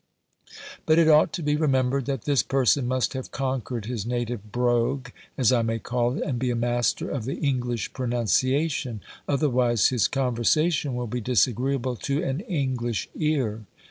But it ought to be remembered that this person must have conquered his native brogue, as I may call it, and be a master of the English pronunciation; otherwise his conversation will be disagreeable to an English ear.